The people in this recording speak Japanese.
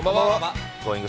Ｇｏｉｎｇ！